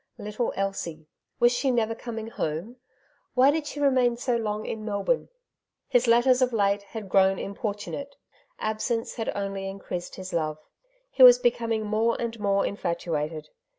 " Little Elsie ! was she never coming home ? Why did she remain so long in Melbourne ?" His letters of late had grown importunate. Absence had only increased his love. He was becoming more and more infatuated.